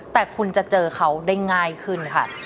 แต่คุณจะเจอเขาได้ง่ายขึ้นค่ะ